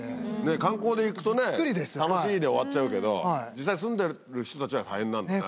観光で行くとね「楽しい」で終わっちゃうけど実際住んでる人たちは大変なんだねあれ。